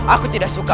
aku tidak suka